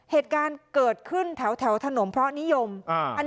เหตุการณ์เกิดขึ้นแถวถนนพระนิยม